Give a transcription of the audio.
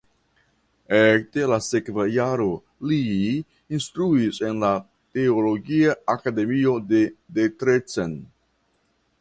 Ekde la sekva jaro li instruis en la Teologia Akademio de Debrecen.